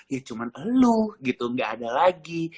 ya cuman elu gitu gak ada lagi